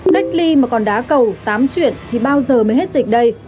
cách ly mà còn đá cầu tám chuyện thì bao giờ mới hết dịch đây